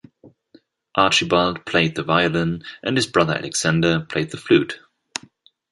Archibald played the violin and his brother Alexander played the flute.